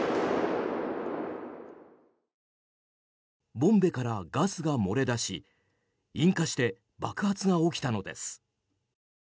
ボンベからガスが漏れ出し引火して爆発が起きたのです。